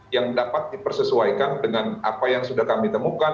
yang dapat dipersesuaikan dengan apa yang sudah kami temukan